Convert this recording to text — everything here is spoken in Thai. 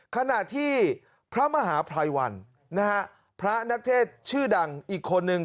ขณะที่พระมหาภัยวันนะฮะพระนักเทศชื่อดังอีกคนนึง